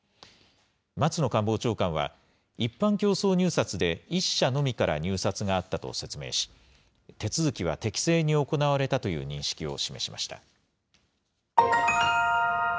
松野官房長官は、一般競争入札で１社のみから入札があったと説明し、手続きは適正に行われたという認識を示しました。